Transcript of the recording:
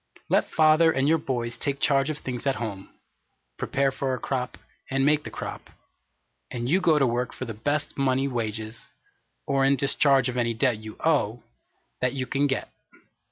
Let father and your boys take charge of things at home prepare for a crop, and make the crop; and you go to work for the best money wages, or in discharge of any debt you owe, that you can get.